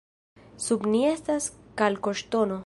Sub ni estas kalkoŝtono.